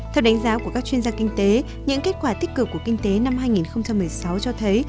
theo đánh giá của các chuyên gia kinh tế những kết quả tích cực của kinh tế năm hai nghìn một mươi sáu cho thấy